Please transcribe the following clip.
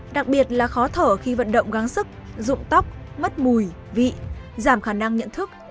đặc biệt là khó thở khi vận động gáng sức dụng tóc mất mùi vị giảm khả năng nhận thức